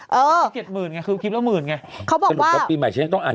โอ้โฮ๗วัน๗คลิปน่ะคือ๗๐๐๐ไงคือคลิปละ๑๐๐๐๐ไง